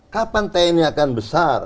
kapan tni akan besar